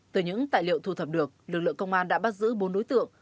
từ những tài liệu thu thập được lực lượng công an đã bắt giữ bốn đối tượng